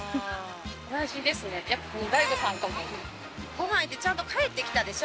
ご飯行って「ちゃんと帰ってきたでしょ？」